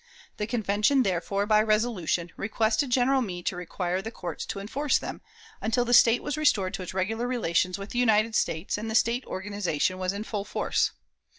The Convention, therefore, by resolution, requested General Meade to require the courts to enforce them "until the State was restored to its regular relations with the United States, and the State organization was in full force."